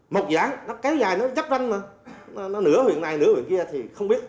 một dự án nó cái dài nó chấp danh nó nó nửa huyện này nửa huyện kia thì không biết